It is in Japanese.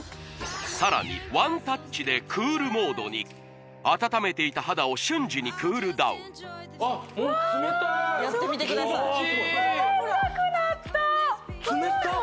さらにワンタッチでＣＯＯＬモードに温めていた肌を瞬時にクールダウンあっホント冷たい気持ちいい！